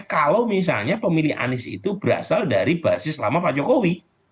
kalau misalnya pemilih anies itu berasal dari basis lama pak jokowi